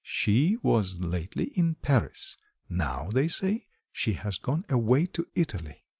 "She was lately in Paris; now, they say, she has gone away to Italy."